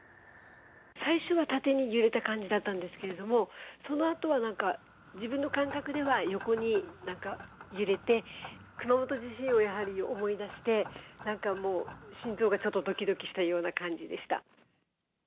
最初は縦に揺れた感じだったんですけれども、そのあとはなんか、自分の感覚では横になんか揺れて、熊本地震をやはり思い出して、なんかもう心臓がちょっとどきどきしたような感じでした。